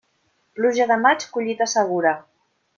Pluja de maig, collita segura.